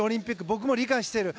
僕も理解している。